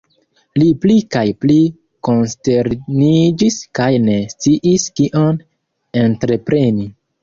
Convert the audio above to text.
Li pli kaj pli konsterniĝis kaj ne sciis kion entrepreni.